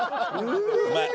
うまい。